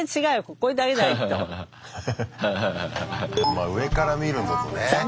まあ上から見るのとね